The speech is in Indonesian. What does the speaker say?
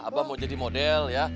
apa mau jadi model ya